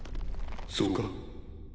そうか。